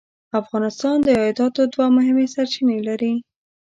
افغانستان د عایداتو دوه مهمې سرچینې لري.